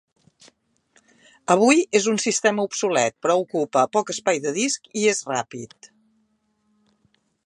Avui és un sistema obsolet, però ocupa poc espai de disc i és ràpid.